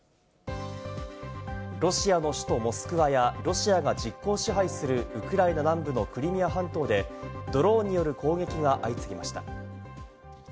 ロシアの首都・モスクワや、ロシアが実効支配するウクライナ南部のクリミア半島で、ドローンによる攻撃が相次ぎました。